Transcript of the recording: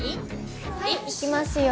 はいいきますよ。